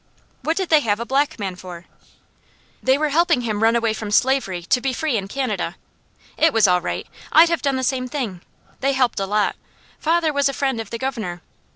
"What did they have a black man for?" "They were helping him run away from slavery to be free in Canada. It was all right. I'd have done the same thing. They helped a lot. Father was a friend of the Governor.